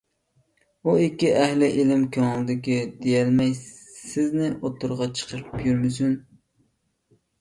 ئۇ ئىككى ئەھلى ئىلىم كۆڭلىدىكىنى دېيەلمەي سىزنى ئوتتۇرىغا چىقىرىپ يۈرمىسۇن.